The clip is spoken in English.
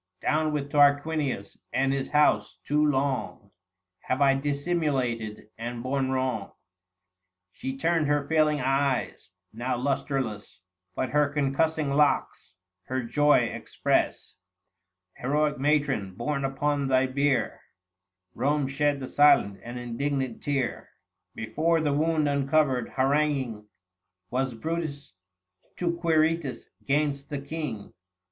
Down with Tarquinius and his house ; too long Have I dissimulated, and borne wrong !" She turned her failing eyes, now lustreless ; But her concussing locks her joy express : 900 Heroic matron, borne upon thy bier Kome shed the silent and indignant tear. Before the wound uncovered, haranguing Was Brutus, to Quirites 'gainst the King.